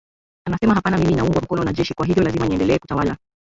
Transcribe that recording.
anasema hapana mimi naungwa mkono na jeshi kwa hivyo lazima niendelee kutawala